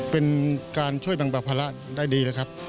เป็นการช่วยแบ่งปรับภาระได้ดีเลยครับ